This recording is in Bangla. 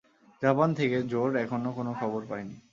জাপান থেকে জো-র এখনও কোন খবর পাইনি।